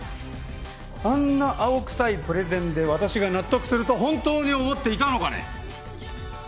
あんな青くさいプレゼンで私が納得すると本当に思っていたのかね？